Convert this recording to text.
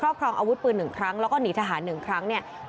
ครอบครองอาวุธปืนนึงครั้งแล้วก็หนีทหารหนึ่งครั้งแบบนี้